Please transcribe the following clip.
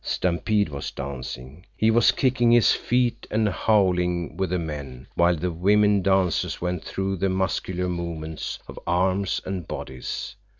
Stampede was dancing. He was kicking his feet and howling with the men, while the women dancers went through the muscular movements of arms and bodies.